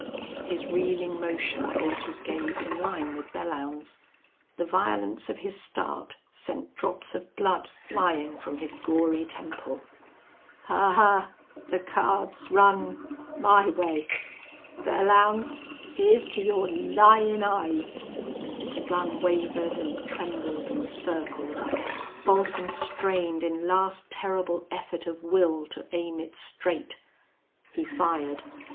His reeling motion brought his gaze in line with Belllounds. The violence of his start sent drops of blood flying from his gory temple. "Ahuh! The cards run my way. Belllounds, hyar's to your lyin' eyes!" The gun wavered and trembled and circled. Folsom strained in last terrible effort of will to aim it straight. He fired.